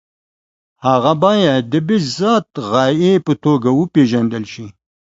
هغه باید د بالذات غایې په توګه وپېژندل شي.